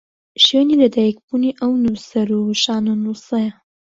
شوێنی لە دایکبوونی ئەو نووسەر و شانۆنووسەیە